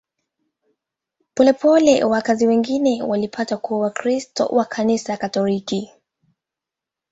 Polepole wakazi wengi walipata kuwa Wakristo wa Kanisa Katoliki.